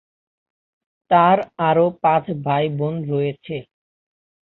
তাঁর আরও পাঁচ ভাই-বোন রয়েছে।